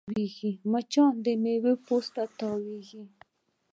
مچان د میوې پوست ته تاوېږي